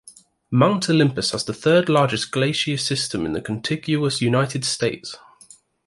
Mount Olympus has the third largest glacier system in the contiguous United States.